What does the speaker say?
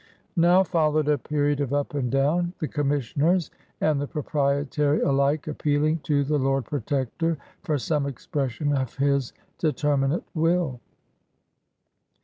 Now followed a period of up and down, the Commissioners and the Proprietary alike appeal ing to the Lord Protector for some expression of his "determinate will.